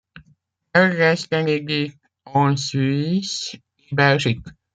Elle reste inédite en Suisse et Belgique.